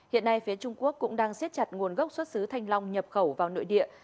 hiện nay phía trung quốc cũng đang siết chặt nguồn gốc xuất xứ thanh long nhập khẩu vào nội địa